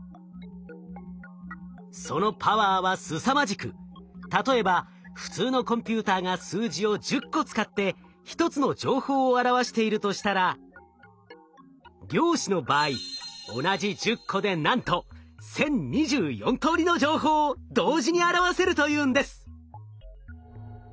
そのパワーはすさまじく例えば普通のコンピューターが数字を１０個使って１つの情報を表しているとしたら量子の場合同じ１０個でなんと１，０２４通りの情報を同時に表せるというんです。